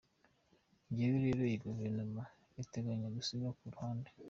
Ntawe rero iyi Guverinoma iteganya gusiga ku ruhande.